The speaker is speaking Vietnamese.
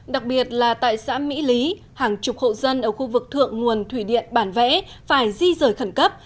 đặc biệt là tại xã mỹ lý hàng chục hộ dân ở khu vực thượng nguồn thủy điện bản vẽ phải di rời khẩn cấp